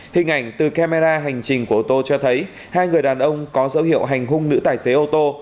hình ảnh từ camera hành trình của ô tô cho thấy hai người đàn ông có dấu hiệu hành hung nữ tài xế ô tô